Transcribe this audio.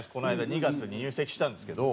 ２月に入籍したんですけど。